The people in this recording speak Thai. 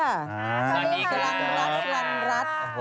สวัสดีครับ